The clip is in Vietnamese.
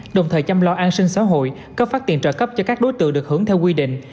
đồng thời chăm lo an sinh xã hội cấp phát tiền trợ cấp cho các đối tượng được hưởng theo quy định